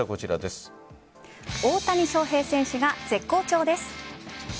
大谷翔平選手が絶好調です。